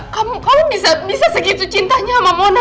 kamu bisa segitu cintanya sama mona